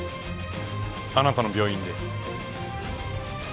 あなたの病院で。